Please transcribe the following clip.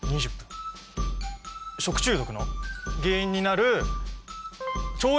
食中毒の原因になる腸炎